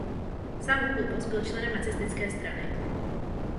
Sám Hugo Boss byl členem nacistické strany.